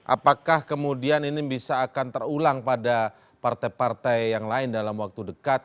apakah kemudian ini bisa akan terulang pada partai partai yang lain dalam waktu dekat